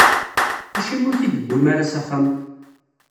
Acimi ur t-id-tewwim ara s axxam?